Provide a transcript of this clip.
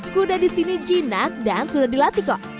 kuda disini jinak dan sudah dilatih kok